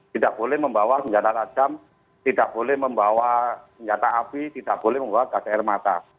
tidak boleh membawa senjata tajam tidak boleh membawa senjata api tidak boleh membawa gas air mata